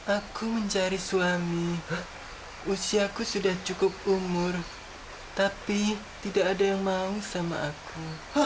aku mencari suami usiaku sudah cukup umur tapi tidak ada yang mau sama aku